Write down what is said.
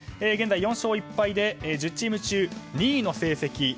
中国を下しまして現在４勝１敗で１０チーム中２位の成績。